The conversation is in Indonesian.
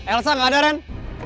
elsa gak ada ren